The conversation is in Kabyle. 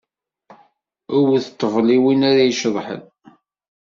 Wwet ṭṭbel i win ar a iceḍḥen.